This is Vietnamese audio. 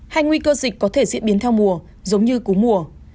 hay nguy cơ dịch có thể diễn biến theo mùa giống như cú mùa